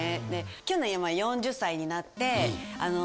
去年４０歳になって。